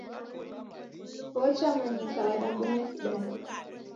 Wocha manyika wadabonya kidali.